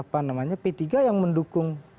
p tiga yang mendukung